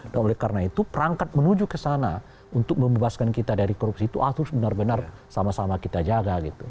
dan oleh karena itu perangkat menuju ke sana untuk membebaskan kita dari korupsi itu harus benar benar sama sama kita jaga gitu